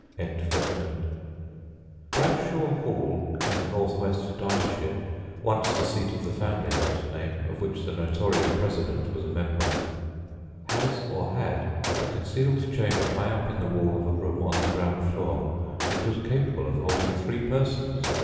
] Bradshawe Hall, in north west Derbyshire (once the seat of the family of that name of which the notorious President was a member), has or had a concealed chamber high up in the wall of a room on the ground floor which was capable of holding three persons.